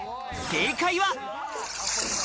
正解は。